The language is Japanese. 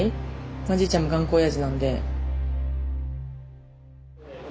まあじいちゃんも頑固おやじなんで。